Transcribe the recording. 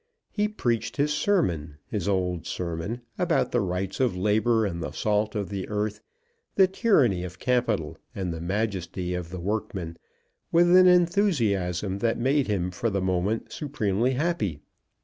He preached his sermon, his old sermon, about the Rights of Labour and the Salt of the Earth, the Tyranny of Capital and the Majesty of the Workmen, with an enthusiasm that made him for the moment supremely happy.